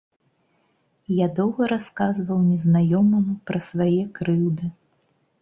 Я доўга расказваў незнаёмаму пра свае крыўды.